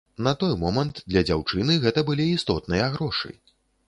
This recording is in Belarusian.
На той момант для дзяўчыны гэта былі істотныя грошы.